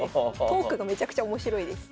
トークがめちゃくちゃ面白いです。